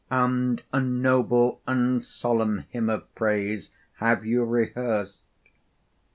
And a noble and solemn hymn of praise have you rehearsed.